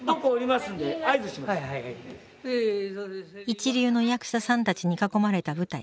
一流の役者さんたちに囲まれた舞台。